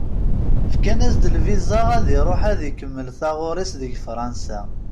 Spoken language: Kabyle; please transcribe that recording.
Fkan-as-d lviza ad iṛuḥ ad ikemmel taɣuṛi-s deg Fransa.